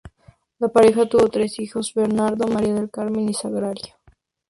La pareja tuvo tres hijos: Bernardo, María del Carmen y Sagrario.